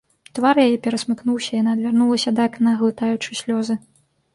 Твар яе перасмыкнуўся, яна адвярнулася да акна, глытаючы слёзы.